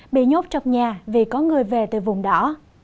bị nhốt trong nhà vì có người về từ vùng đỏ